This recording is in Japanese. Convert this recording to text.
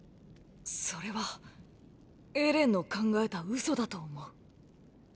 それはエレンの考えた嘘だと思う。